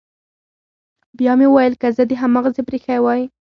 بيا مې وويل که زه دې هماغسې پريښى واى.